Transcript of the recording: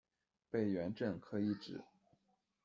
北塬镇可以指：